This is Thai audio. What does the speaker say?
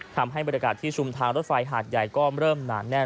ทำให้บรรยากาศที่ชุมทางรถไฟหาดใหญ่ก็เริ่มหนาแน่น